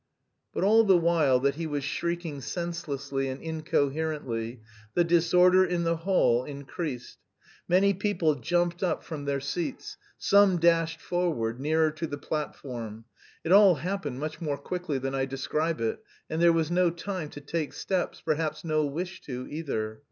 But all the while that he was shrieking senselessly and incoherently, the disorder in the hall increased. Many people jumped up from their seats, some dashed forward, nearer to the platform. It all happened much more quickly than I describe it, and there was no time to take steps, perhaps no wish to, either.